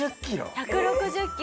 １６０キロ。